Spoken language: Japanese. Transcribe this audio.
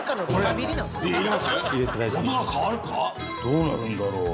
どうなるんだろう